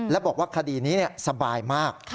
และบอกว่าคดีนี้สบายมาก